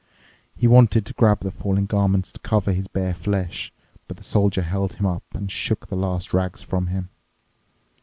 He wanted to grab the falling garments to cover his bare flesh, but the Soldier held him up and shook the last rags from him.